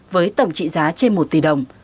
với tổng trị giá trên một tỷ đồng